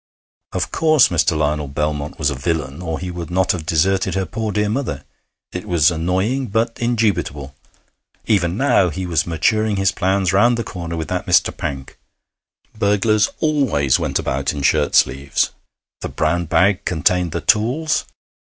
Of course Mr. Lionel Belmont was a villain, or he would not have deserted her poor dear mother; it was annoying, but indubitable.... Even now he was maturing his plans round the corner with that Mr. Pank.... Burglars always went about in shirt sleeves.... The brown bag contained the tools....